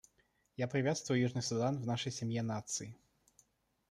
Я приветствую Южный Судан в нашей семье наций.